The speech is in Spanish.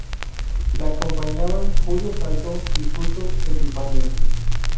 Lo acompañaban Julio Salto y Justo Epifanio.